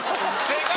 正解！